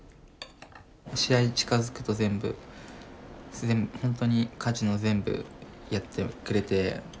試合近づくと全部ほんとに家事も全部やってくれて。